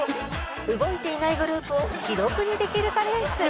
動いていないグループを既読にできるかレース